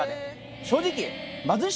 正直。